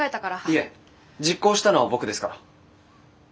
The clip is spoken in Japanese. いえ実行したのは僕ですから。